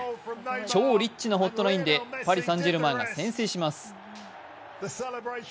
超リッチなホットラインでパリ・サン＝ジェルマンが先制します。